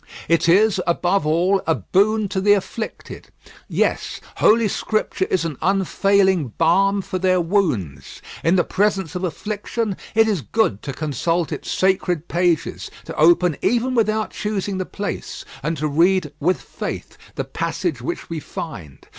It is, above all, a boon to the afflicted. Yes, Holy Scripture is an unfailing balm for their wounds. In the presence of affliction, it is good to consult its sacred pages to open even without choosing the place, and to read with faith the passage which we find.